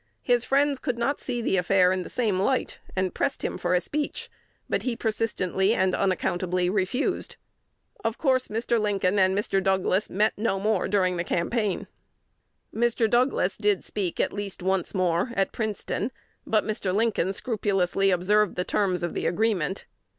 His friends could not see the affair in the same light, and "pressed him for a speech;" but he persistently and unaccountably "refused." Of course, Mr. Lincoln and Mr. Douglas met no more during the campaign. Mr. Douglas did speak at least once more (at Princeton), but Mr. Lincoln scrupulously observed the terms of the agreement.